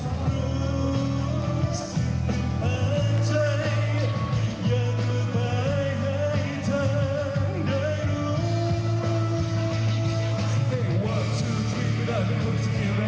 ภาพที่คุณผู้ชมเห็นอยู่นี้นะคะบรรยากาศหน้าเวทีตอนนี้เริ่มมีผู้แทนจำหน่ายไปจับจองพื้นที่